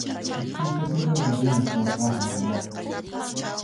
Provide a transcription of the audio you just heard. Iskay chakimanta puriq kawsaqmi runaqa.